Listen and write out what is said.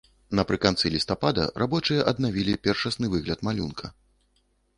Напрыканцы лістапада рабочыя аднавілі першасны выгляд малюнка.